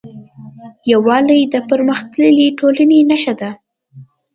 یووالی د پرمختللې ټولنې نښه ده.